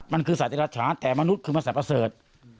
มันคือสัตว์ธรรมชาติแต่มนุษย์คือมเมษัทประเศรษฐ์